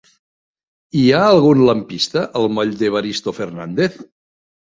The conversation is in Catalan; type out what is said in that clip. Hi ha algun lampista al moll d'Evaristo Fernández?